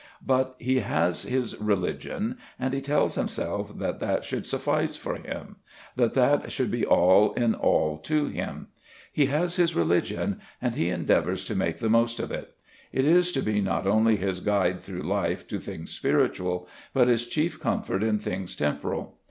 But he has his religion, and he tells himself that that should suffice for him; that that should be all in all to him. He has his religion, and he endeavours to make the most of it. It is to be not only his guide through life to things spiritual, but his chief comfort in things temporal.